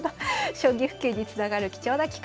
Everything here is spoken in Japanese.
将棋普及につながる貴重な機会。